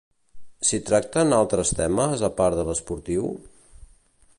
S'hi tracten altres temes, a part de l'esportiu?